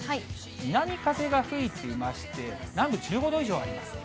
南風が吹いていまして、南部１５度以上あります。